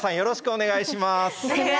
お願いします。